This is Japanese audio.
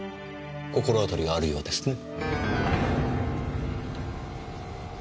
心当たりがあるようですね。